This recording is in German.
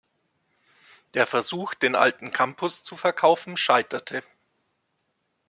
Der Versuch, den alten Campus zu verkaufen, scheiterte.